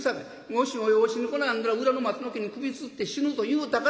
もしも養子に来なんだら裏の松の木に首つって死ぬと言うたから